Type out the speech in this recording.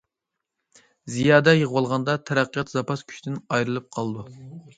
زىيادە يىغىۋالغاندا تەرەققىيات زاپاس كۈچتىن ئايرىلىپ قالىدۇ.